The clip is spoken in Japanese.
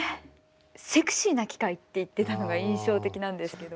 セクシーな機械って言ってたのが印象的なんですけど。